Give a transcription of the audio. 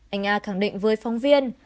anh a khẳng định với phong viên